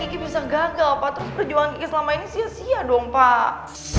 kiki bisa gagal pak terus perjuangan selama ini sia sia dong pak